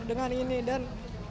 dengan ini dan